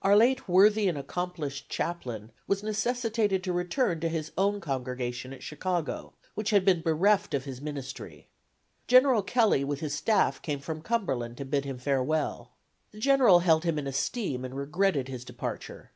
Our late worthy and accomplished chaplain was necessitated to return to his own congregation at Chicago, which has been bereft of his ministry. General Kelley with his staff came from Cumberland to bid him farewell. The General held him in esteem and regretted his departure.